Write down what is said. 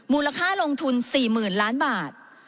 มูลค่าลงทุน๔๐๐๐ล้านบาท